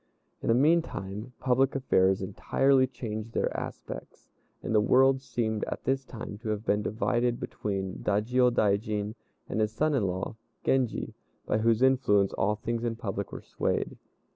In the meantime, public affairs entirely changed their aspects, and the world seemed at this time to have been divided between the Dajiôdaijin and his son in law, Genji, by whose influence all things in public were swayed.